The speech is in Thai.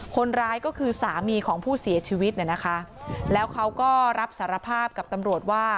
คนร้ายก็คือสามีของผู้เสียชีวิตเนี่ยนะคะแล้วเขาก็รับสารภาพกับตำรวจว่า